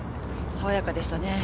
爽やかでしたね。